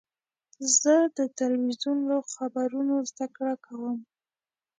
زه د تلویزیون له خپرونو زده کړه کوم.